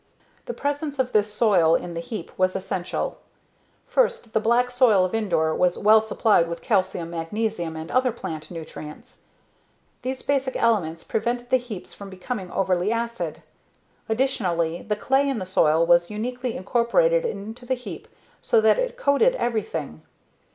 The presence of this soil in the heap was essential. First, the black soil of Indore was well supplied with calcium, magnesium, and other plant nutrients. These basic elements prevented the heaps from becoming overly acid. Additionally, the clay in the soil was uniquely incorporated into the heap so that it coated everything.